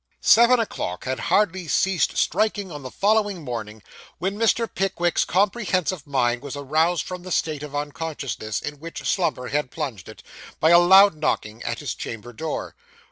Seven o'clock had hardly ceased striking on the following morning, when Mr. Pickwick's comprehensive mind was aroused from the state of unconsciousness, in which slumber had plunged it, by a loud knocking at his chamber door.